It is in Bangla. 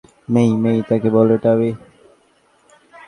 মেই-মেই, তাকে বলো এটা আমি।